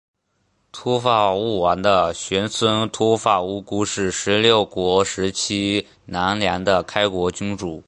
秃发务丸的玄孙秃发乌孤是十六国时期南凉的开国君主。